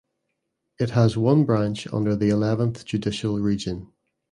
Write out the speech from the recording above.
It has one branch under the Eleventh Judicial Region.